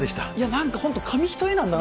なんか本当、紙一重なんだな